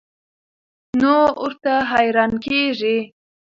نو ورته حېران کيږي